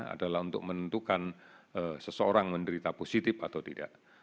adalah untuk menentukan seseorang menderita positif atau tidak